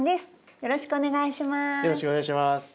よろしくお願いします。